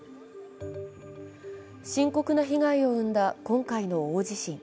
深刻な被害を生んだ今回の大地震。